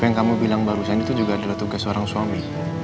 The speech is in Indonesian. yang kamu bilang barusan itu juga adalah tugas seorang suami